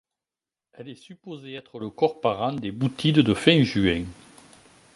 Elle est supposée être le corps parent des Bootides de fin juin.